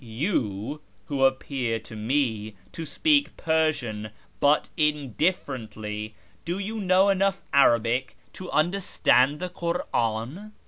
You, who appear to me to speak Persian but indifferently, do you know enough Arabic to understand the Kur'an